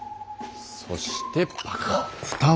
そしてパカッ！